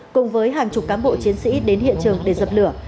cùng với hàng chục cán bộ chiến sĩ đến hiện trường để dập lửa